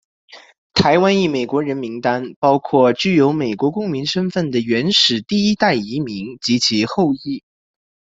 台湾裔美国人名单包括具有美国公民身份的原始第一代移民及其后裔。